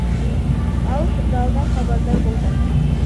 Ал кырдаалдан кабардар болгон.